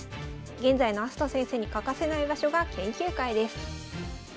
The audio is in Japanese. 現在の明日斗先生に欠かせない場所が研究会です。